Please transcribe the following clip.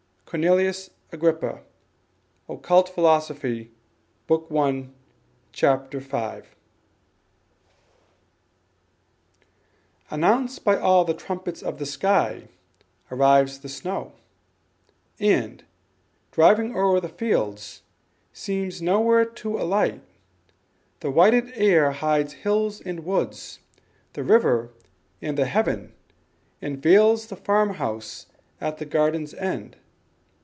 Cor. AGRIPPA, Occult Philosophy, Book I. ch. v. "Announced by all the trumpets of the sky, Arrives the snow, and, driving o'er the fields, Seems nowhere to alight: the whited air Hides hills and woods, the rivet and the heaven, And veils the farm house at the garden's end.